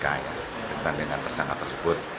kita dengan tersangka tersebut